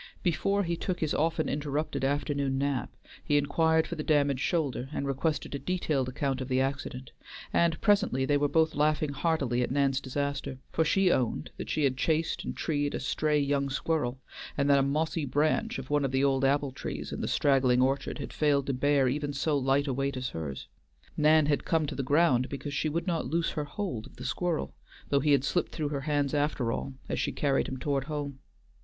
Before he took his often interrupted afternoon nap, he inquired for the damaged shoulder and requested a detailed account of the accident; and presently they were both laughing heartily at Nan's disaster, for she owned that she had chased and treed a stray young squirrel, and that a mossy branch of one of the old apple trees in the straggling orchard had failed to bear even so light a weight as hers. Nan had come to the ground because she would not loose her hold of the squirrel, though he had slipped through her hands after all as she carried him towards home.